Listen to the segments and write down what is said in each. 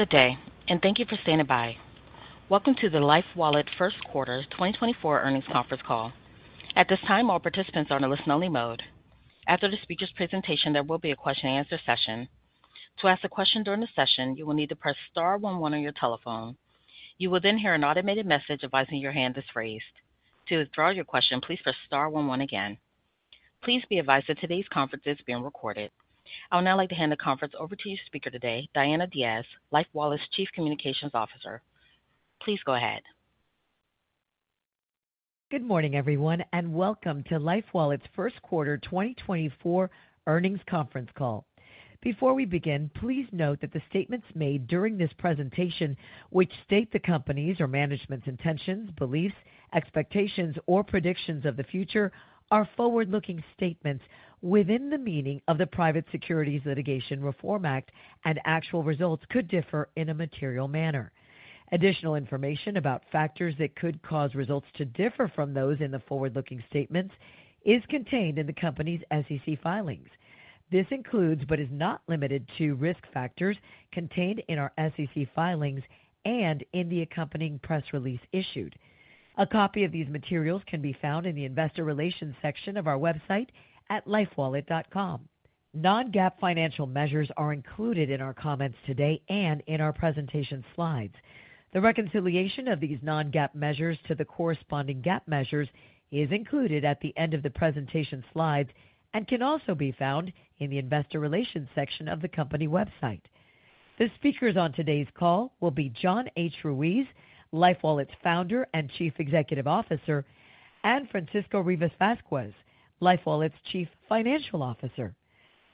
Good day, and thank you for standing by. Welcome to the LifeWallet first quarter 2024 earnings conference call. At this time, all participants are on a listen-only mode. After the speaker's presentation, there will be a question-and-answer session. To ask a question during the session, you will need to press star one one on your telephone. You will then hear an automated message advising your hand is raised. To withdraw your question, please press star one one again. Please be advised that today's conference is being recorded. I would now like to hand the conference over to your speaker today, Diana Diaz, LifeWallet's Chief Communications Officer. Please go ahead. Good morning, everyone, and welcome to LifeWallet's first quarter 2024 earnings conference call. Before we begin, please note that the statements made during this presentation, which state the company's or management's intentions, beliefs, expectations, or predictions of the future, are forward-looking statements within the meaning of the Private Securities Litigation Reform Act, and actual results could differ in a material manner. Additional information about factors that could cause results to differ from those in the forward-looking statements is contained in the company's SEC filings. This includes, but is not limited to, risk factors contained in our SEC filings and in the accompanying press release issued. A copy of these materials can be found in the Investor Relations section of our website at lifewallet.com. Non-GAAP financial measures are included in our comments today and in our presentation slides. The reconciliation of these non-GAAP measures to the corresponding GAAP measures is included at the end of the presentation slides and can also be found in the Investor Relations section of the company website. The speakers on today's call will be John H. Ruiz, LifeWallet's founder and Chief Executive Officer, and Francisco Rivas-Vásquez, LifeWallet's Chief Financial Officer.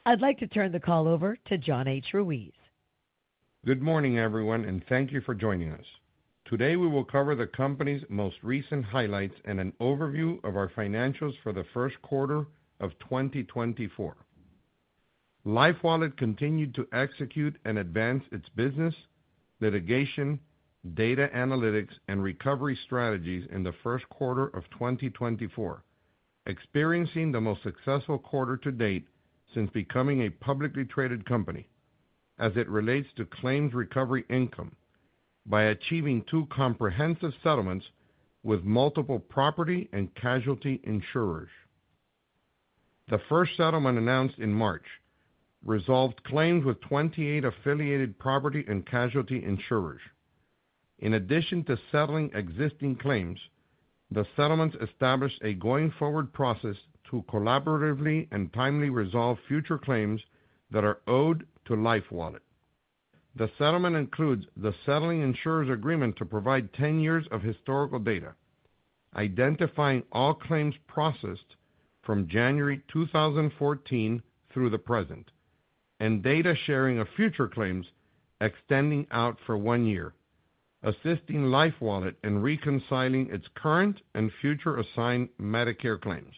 I'd like to turn the call over to John H. Ruiz. Good morning, everyone, and thank you for joining us. Today, we will cover the company's most recent highlights and an overview of our financials for the first quarter of 2024. LifeWallet continued to execute and advance its business, litigation, data analytics, and recovery strategies in the first quarter of 2024, experiencing the most successful quarter to date since becoming a publicly traded company, as it relates to claims recovery income by achieving two comprehensive settlements with multiple property and casualty insurers. The first settlement, announced in March, resolved claims with 28 affiliated property and casualty insurers. In addition to settling existing claims, the settlements established a going-forward process to collaboratively and timely resolve future claims that are owed to LifeWallet. The settlement includes the settling insurer's agreement to provide 10 years of historical data, identifying all claims processed from January 2014 through the present, and data sharing of future claims extending out for one year, assisting LifeWallet in reconciling its current and future assigned Medicare claims.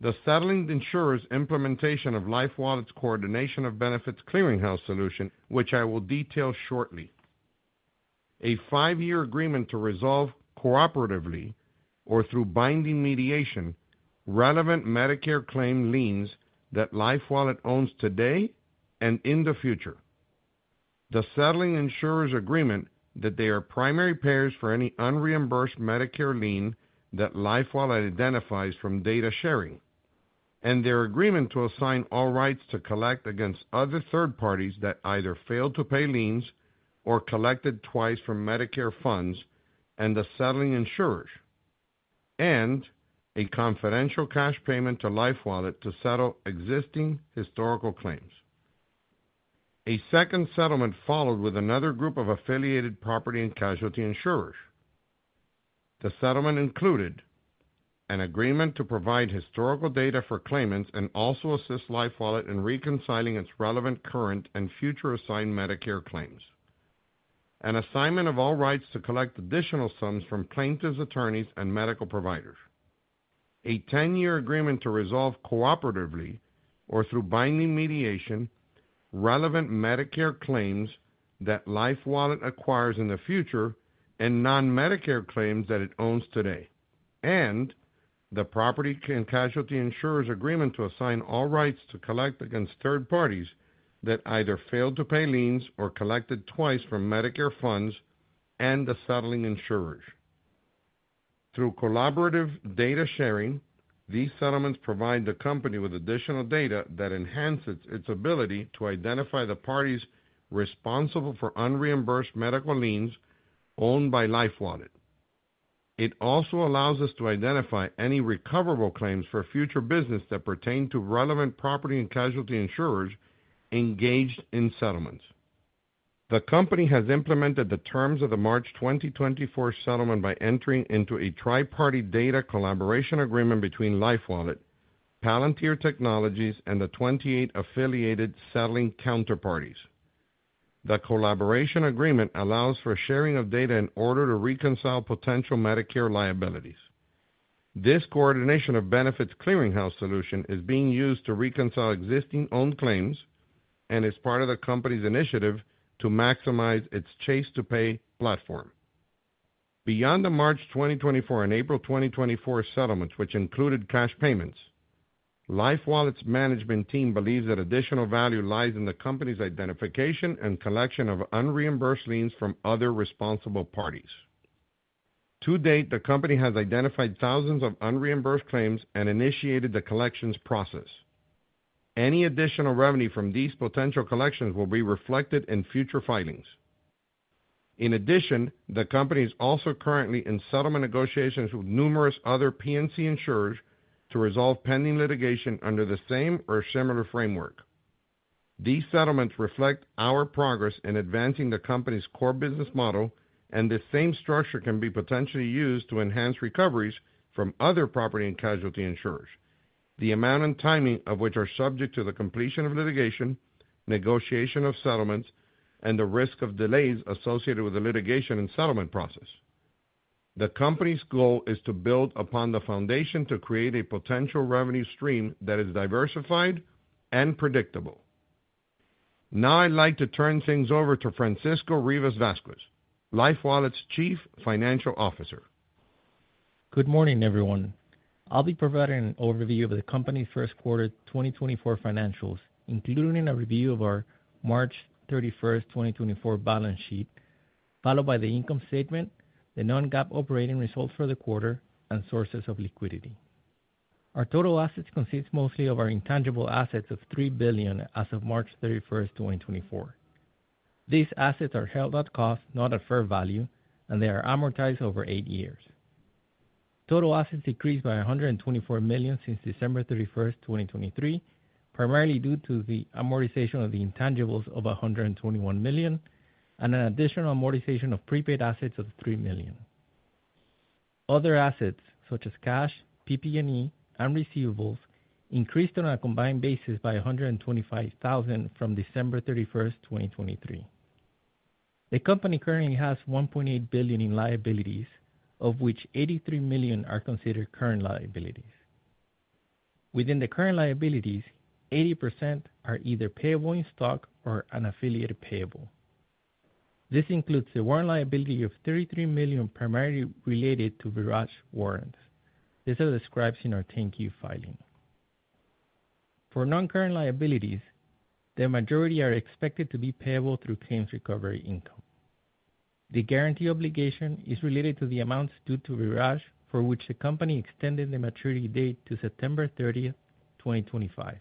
The settling insurers' implementation of LifeWallet's Coordination of Benefits Clearinghouse solution, which I will detail shortly. A 5-year agreement to resolve cooperatively or through binding mediation, relevant Medicare claim liens that LifeWallet owns today and in the future. The settling insurer's agreement that they are primary payers for any unreimbursed Medicare lien that LifeWallet identifies from data sharing, and their agreement to assign all rights to collect against other third parties that either failed to pay liens or collected twice from Medicare funds and the settling insurers, and a confidential cash payment to LifeWallet to settle existing historical claims. A second settlement followed with another group of affiliated property and casualty insurers. The settlement included an agreement to provide historical data for claimants and also assist LifeWallet in reconciling its relevant, current, and future assigned Medicare claims. An assignment of all rights to collect additional sums from plaintiffs, attorneys, and medical providers. A ten-year agreement to resolve cooperatively or through binding mediation, relevant Medicare claims that LifeWallet acquires in the future and non-Medicare claims that it owns today. The property and casualty insurer's agreement to assign all rights to collect against third parties that either failed to pay liens or collected twice from Medicare funds and the settling insurers. Through collaborative data sharing, these settlements provide the company with additional data that enhances its ability to identify the parties responsible for unreimbursed medical liens owned by LifeWallet. It also allows us to identify any recoverable claims for future business that pertain to relevant property and casualty insurers engaged in settlements. The company has implemented the terms of the March 2024 settlement by entering into a triparty data collaboration agreement between LifeWallet, Palantir Technologies, and the 28 affiliated settling counterparties. The collaboration agreement allows for sharing of data in order to reconcile potential Medicare liabilities. This coordination of benefits clearinghouse solution is being used to reconcile existing owned claims and is part of the company's initiative to maximize its Chase-to-Pay platform.... Beyond the March 2024 and April 2024 settlements, which included cash payments, LifeWallet's management team believes that additional value lies in the company's identification and collection of unreimbursed liens from other responsible parties. To date, the company has identified thousands of unreimbursed claims and initiated the collections process. Any additional revenue from these potential collections will be reflected in future filings. In addition, the company is also currently in settlement negotiations with numerous other P&C insurers to resolve pending litigation under the same or similar framework. These settlements reflect our progress in advancing the company's core business model, and the same structure can be potentially used to enhance recoveries from other property and casualty insurers. The amount and timing of which are subject to the completion of litigation, negotiation of settlements, and the risk of delays associated with the litigation and settlement process. The company's goal is to build upon the foundation to create a potential revenue stream that is diversified and predictable. Now I'd like to turn things over to Francisco Rivas-Vásquez, LifeWallet's Chief Financial Officer. Good morning, everyone. I'll be providing an overview of the company's first quarter 2024 financials, including a review of our March 31, 2024 balance sheet, followed by the income statement, the non-GAAP operating results for the quarter, and sources of liquidity. Our total assets consists mostly of our intangible assets of $3 billion as of March 31, 2024. These assets are held at cost, not at fair value, and they are amortized over 8 years. Total assets decreased by $124 million since December 31, 2023, primarily due to the amortization of the intangibles of $121 million, and an additional amortization of prepaid assets of $3 million. Other assets, such as cash, PP&E, and receivables, increased on a combined basis by $125,000 from December 31, 2023. The company currently has $1.8 billion in liabilities, of which $83 million are considered current liabilities. Within the current liabilities, 80% are either payable in stock or an affiliated payable. This includes the warrant liability of $33 million, primarily related to Virage warrants, as it describes in our 10-Q filing. For non-current liabilities, the majority are expected to be payable through claims recovery income. The guarantee obligation is related to the amounts due to Virage, for which the company extended the maturity date to September 30, 2025.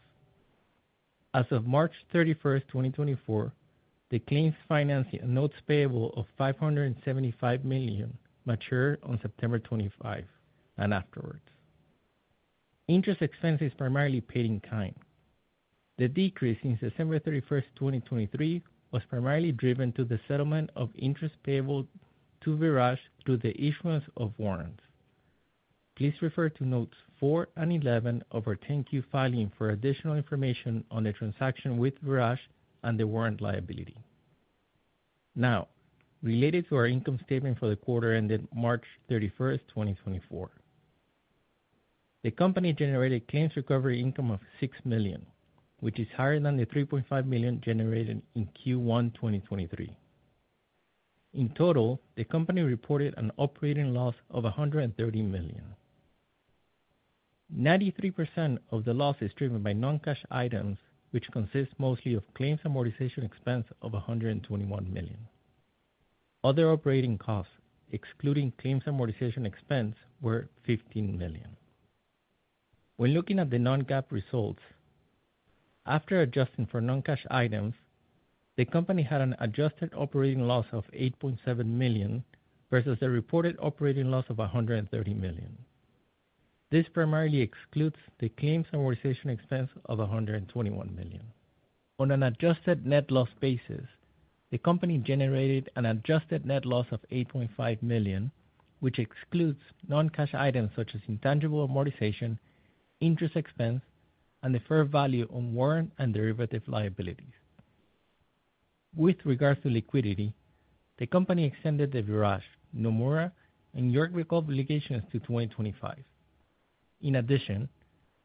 As of March 31, 2024, the claims financing and notes payable of $575 million mature on September 2025 and afterwards. Interest expense is primarily paid in kind. The decrease since December 31, 2023, was primarily driven to the settlement of interest payable to Virage through the issuance of warrants. Please refer to notes 4 and 11 of our 10-Q filing for additional information on the transaction with Virage and the warrant liability. Now, related to our income statement for the quarter ended March 31, 2024. The company generated claims recovery income of $6 million, which is higher than the $3.5 million generated in Q1 2023. In total, the company reported an operating loss of $130 million. 93% of the loss is driven by non-cash items, which consists mostly of claims amortization expense of $121 million. Other operating costs, excluding claims amortization expense, were $15 million. When looking at the non-GAAP results, after adjusting for non-cash items, the company had an adjusted operating loss of $8.7 million, versus the reported operating loss of $130 million. This primarily excludes the claims amortization expense of $121 million. On an adjusted net loss basis, the company generated an adjusted net loss of $8.5 million, which excludes non-cash items such as intangible amortization, interest expense, and the fair value on warrant and derivative liabilities. With regards to liquidity, the company extended the Virage, Nomura, and Yorkville obligations to 2025. In addition,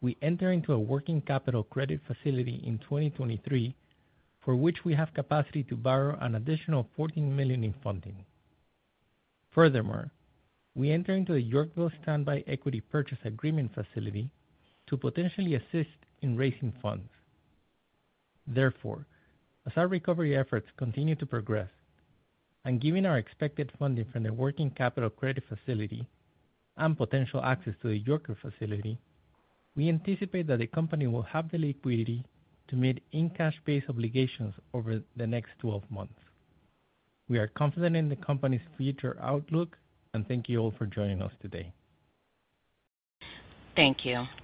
we entered into a working capital credit facility in 2023, for which we have capacity to borrow an additional $14 million in funding. Furthermore, we entered into a Yorkville standby equity purchase agreement facility to potentially assist in raising funds. Therefore, as our recovery efforts continue to progress, and given our expected funding from the working capital credit facility and potential access to the Yorkville facility, we anticipate that the company will have the liquidity to meet cash-based obligations over the next 12 months. We are confident in the company's future outlook, and thank you all for joining us today. Thank you.